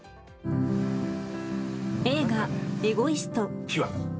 映画「エゴイスト」。